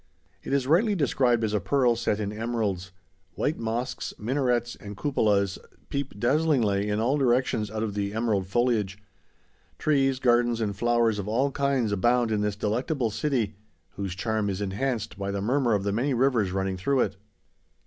It is rightly described as a pearl set in emeralds. White mosques, minarets, and cupolas peep dazzlingly in all directions out of the emerald foliage. Trees, gardens, and flowers of all kinds abound in this delectable city, whose charm is enhanced by the murmur of the many rivers running through it.